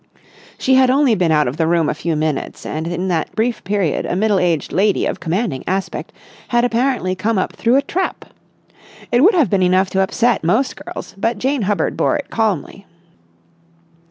She had only been out of the room a few minutes, and in that brief period a middle aged lady of commanding aspect had apparently come up through a trap. It would have been enough to upset most girls, but Jane Hubbard bore it calmly.